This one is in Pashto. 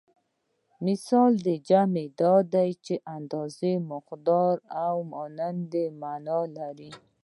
مثل جمع مثال دی چې اندازه مقدار او مانند مانا لري